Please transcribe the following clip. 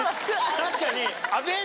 確かに。